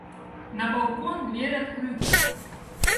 На балкон дверь открыта!